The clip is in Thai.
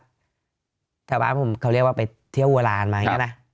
โรงพยาบาลผมเขาเรียกว่าไปเที่ยวอุวรานมาอย่างเงี้ยนะครับ